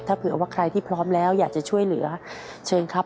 ถ้าเผื่อว่าใครที่พร้อมแล้วอยากจะช่วยเหลือเชิญครับ